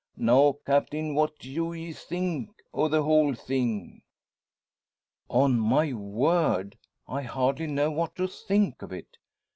Now, Captain, what do ye think o' the whole thing?" "On my word, I hardly know what to think of it.